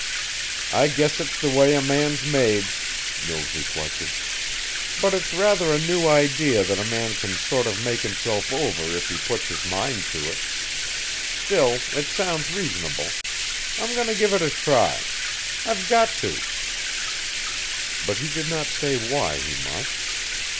"I guess it's the way a man's made," Mills reflected. "But it's rather a new idea that a man can sort of make himself over if he puts his mind to it. Still, it sounds reasonable. I'm going to give it a try. I've got to." But he did not say why he must.